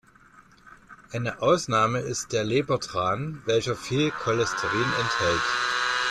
Eine Ausnahme ist der Lebertran welcher viel Cholesterin enthält.